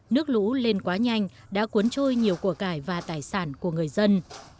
nước lũ lên quá nhanh đã cuốn trôi nhiều của cải và tài sản của người dân